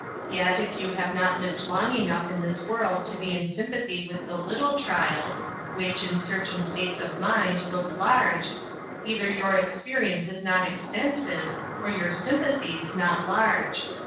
Yet, if you have not lived long enough in this world to be in sympathy with the little trials, which, in cer tain states of mind, look large, either your expe rience is not extensive or your sympathies not large.